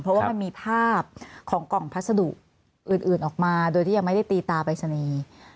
เพราะว่ามันมีภาพของกล่องพัสดุอื่นออกมาโดยที่ยังไม่ได้ตีตาปริศนีย์